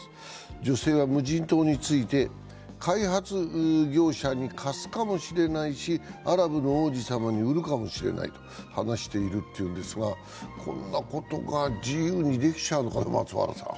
女性は無人島について、開発業者に貸すかもしれないしアラブの王子様に売るかもしれないと話しているというんですがこんなことが自由にできちゃうのかな、松原さん。